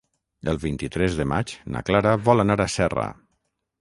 El vint-i-tres de maig na Clara vol anar a Serra.